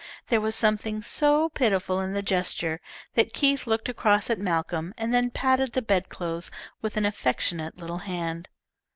There was something so pitiful in the gesture that Keith looked across at Malcolm and then patted the bedclothes with an affectionate little hand.